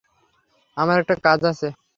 আমার একটা কাজ আছে।